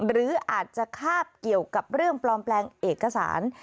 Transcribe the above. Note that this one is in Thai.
หรืออาจจะคาบเกี่ยวกับเรื่องปลอมแปลงเอกสาร